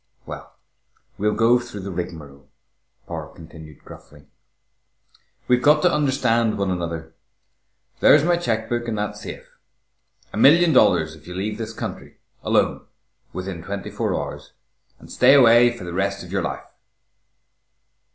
"Well, we'll go through the rigmarole," Power continued gruffly. "We've got to understand one another. There's my cheque book in that safe. A million dollars if you leave this country alone within twenty four hours, and stay away for the rest of your life."